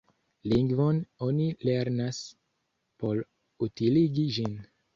Lingvon oni lernas por utiligi ĝin.